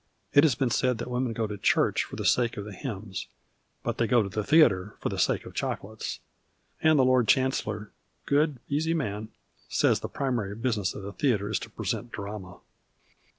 It has been said that women go to elnireh for the sake of the hhns, but they go to the theatre for the sake of chocolates. And the Lord Chancellor, good, easy man, says the primary business of the theatre is to present drama